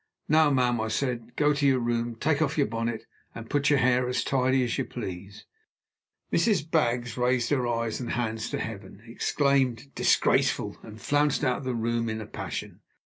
"Now, ma'am," I said, "go to your room; take off your bonnet, and put your hair as tidy as you please." Mrs. Baggs raised her eyes and hands to heaven, exclaimed "Disgraceful!" and flounced out of the room in a passion.